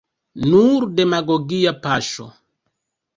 Nur demagogia paŝo.